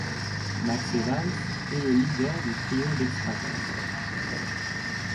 Max Evans est le leader du trio d'extraterrestres.